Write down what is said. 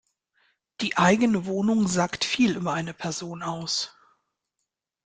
Die eigene Wohnung sagt viel über eine Person aus.